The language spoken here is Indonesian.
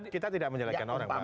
kita tidak menjelekkan orang